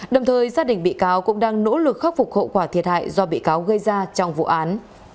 đồng thời gia đình bị cáo cũng đang nỗ lực khắc phục hậu quả thiệt hại do bị cáo gây ra trong vụ án